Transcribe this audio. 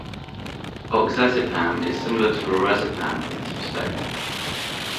Oxazepam is similar to lorazepam in this respect.